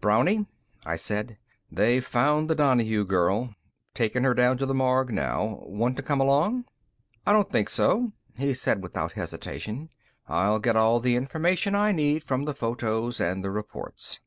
"Brownie," I said, "they've found the Donahue girl. Taking her down to the morgue now. Want to come along?" "I don't think so," he said without hesitation. "I'll get all the information I need from the photos and the reports.